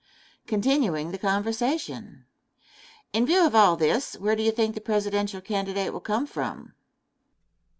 Continuing the conversation, ] Question. In view of all this, where do you think the presidential candidate will come from?